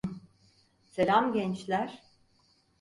Selam gençler.